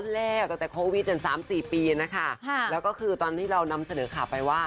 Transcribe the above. แล้วก็คือตอนที่เรานำเสนอข่าวไปว่า